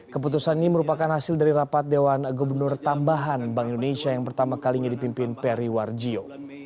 keputusan ini merupakan hasil dari rapat dewan gubernur tambahan bank indonesia yang pertama kalinya dipimpin peri warjio